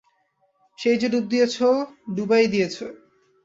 সেই যে ডুব দিয়েছে, ডুবাই দিয়েছে।